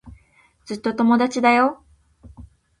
ずっと友達だよ。